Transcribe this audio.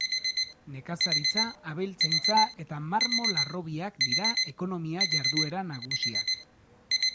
Nekazaritza, abeltzaintza eta marmol-harrobiak dira ekonomia-jarduera nagusiak.